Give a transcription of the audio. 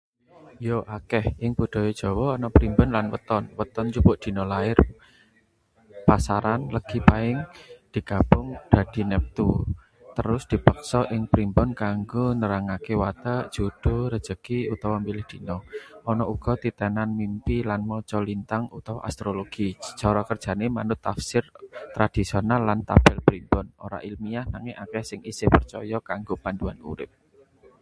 Ya, akeh. Ing budaya Jawa ana primbon lan weton. Weton njupuk dina lair, pasaran Legi, Pahing, digabung dadi neptu, terus dipriksa ing primbon kanggo nerangke watak, jodho, rejeki, utawa milih dina. Ana uga titenan mimpi lan maca lintang utawa astrologi. Cara kerjane manut tafsir tradisional lan tabel primbon, ora ilmiah, nanging akeh sing isih percaya kanggo pandhuan urip.